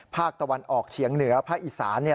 ภาคตะวันออกเฉียงเหนือภาคอีสาน